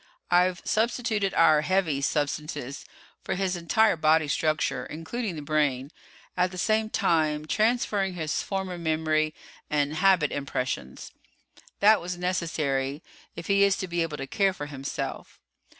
"I've substituted our 'heavy' substances for his entire body structure, including the brain at the same time transferring his former memory and habit impressions. That was necessary if he is to be able to care for himself.